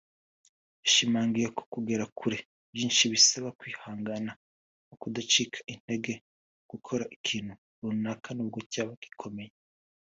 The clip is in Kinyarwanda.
yashimangiye ko kugera kuri byinshi bisaba kwihangana no kudacika intege mu gukora ikintu runaka nubwo cyaba gikomeye